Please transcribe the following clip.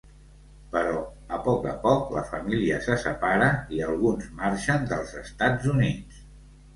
Però a poc a poc la família se separa i alguns marxen dels Estats Units.